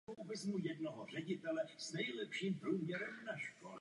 V některých zemích byl adaptován na místní technické nebo klimatické podmínky.